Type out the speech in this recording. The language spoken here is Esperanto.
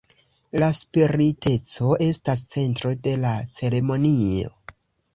La spiriteco estas centro de la ceremonio.